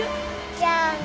じゃあね。